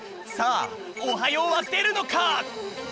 さあ「おはよう」はでるのか？